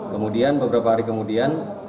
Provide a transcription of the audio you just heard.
kemudian beberapa hari kemudian